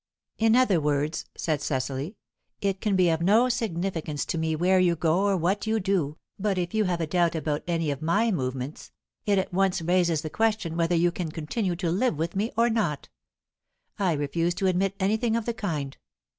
"In other words," said Cecily, "it can be of no significance to me where you go or what you do, but if you have a doubt about any of my movements, it at once raises the question whether you can continue to live with me or not I refuse to admit anything of the kind.